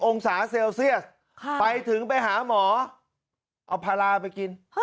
องศาเซลเซียสไปถึงไปหาหมอเอาพาราไปกิน